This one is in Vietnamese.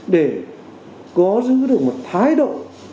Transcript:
để có giữ được một thái độ